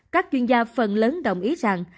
các chuyên gia phần lớn đồng ý rằng